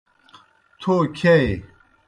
تھو کِھیائے۔